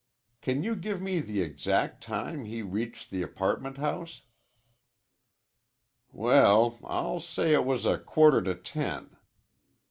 "Can you give me the exact time he reached the apartment house?" "Well, I'll say it was a quarter to ten."